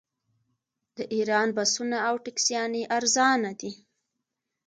د ایران بسونه او ټکسیانې ارزانه دي.